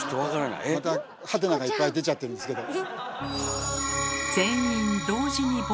またハテナがいっぱい出ちゃってるんですけど。